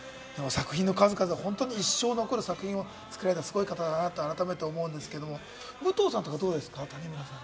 作品の数々、一生に残る作品を作られたすごい方だなと改めて思うんですけれども、武藤さんとか、どうですか？